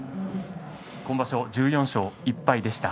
今場所１４勝１敗でした。